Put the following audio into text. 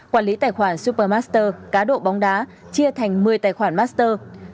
quản lý tài khoản supermaster cá độ bóng đá chia thành một mươi tài khoản master